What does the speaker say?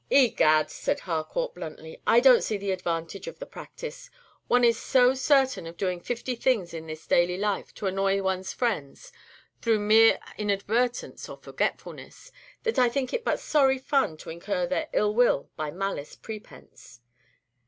"Egad," said Harcourt, bluntly, "I don't see the advantage of the practice. One is so certain of doing fifty things in this daily life to annoy one's friends, through mere inadvertence or forgetfulness, that I think it is but sorry fun to incur their ill will by malice prepense."